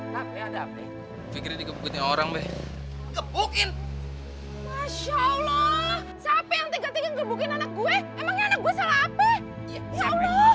masya allah siapa yang tiga tiga gebukin anak gue emangnya anak gue salah hape